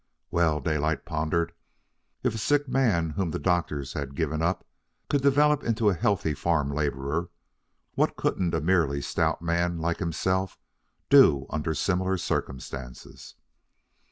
Well, Daylight pondered, if a sick man whom the doctors had given up could develop into a healthy farm laborer, what couldn't a merely stout man like himself do under similar circumstances?